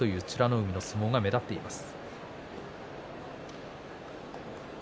海の相撲が見られています。